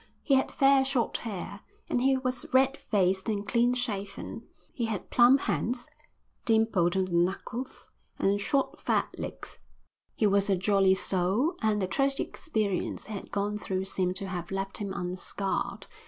He had fair short hair, and he was red faced and clean shaven. He had plump hands, dimpled on the knuckles, and short fat legs. He was a jolly soul, and the tragic experience he had gone through seemed to have left him unscarred.